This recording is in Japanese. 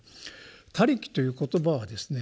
「他力」という言葉はですね